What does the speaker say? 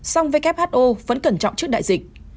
song who vẫn cẩn trọng trước đại dịch